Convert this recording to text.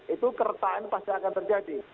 itu keretaan pasti akan terjadi